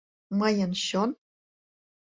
Мыйын чон?!